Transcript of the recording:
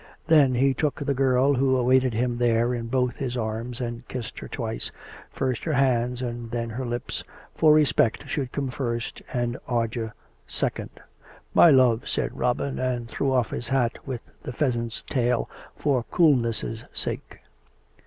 Then he took the girl who awaited him there in both his arms, and kiss'ed her twice — first her hands and then her lips, for respect should come first and ardour second. "My love," said Robin, and threw oflf his hat with the pheasant's tail, for coolness' sake.